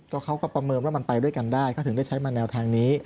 เขาก็ประเมินว่ามันไปด้วยกันได้เขาถึงได้ใช้มาแนวทางนี้